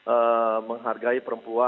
ee menghargai perempuan